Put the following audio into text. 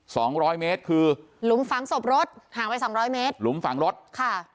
สองร้อยเมตรคือหลุมฝังศพรถห่างไปสองร้อยเมตรหลุมฝังรถค่ะ